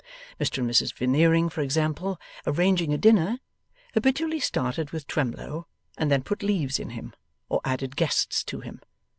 Mr and Mrs Veneering, for example, arranging a dinner, habitually started with Twemlow, and then put leaves in him, or added guests to him.